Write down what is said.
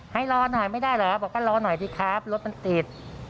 ให้รอหน่อยไม่ได้เหรอบอกว่ารอหน่อยสิครับรถมันติด